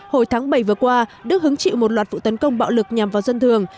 hồi tháng bảy vừa qua đức hứng chịu một loạt vụ tấn công bạo lực nhằm vào dân thường